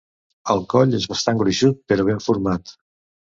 El coll és bastant gruixut però ben format.